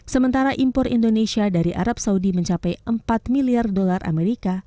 sementara impor indonesia dari arab saudi mencapai empat miliar dolar amerika